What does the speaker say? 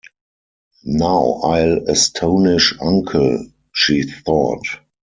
"Now I'll astonish uncle," she thought.